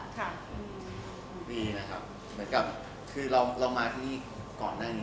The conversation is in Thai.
ดีนะครับเหมือนกับคือเรามาที่นี่ก่อนหน้านี้